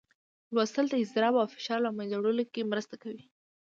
لوستل د اضطراب او فشار له منځه وړلو کې مرسته کوي